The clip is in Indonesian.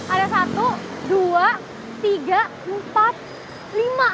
ada satu dua tiga empat lima